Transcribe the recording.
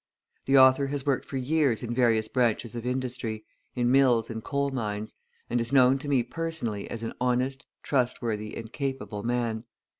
The author has worked for years in various branches of industry, in mills and coal mines, and is known to me personally as an honest, trustworthy, and capable man.